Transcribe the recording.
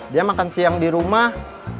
dia makan siang di rumah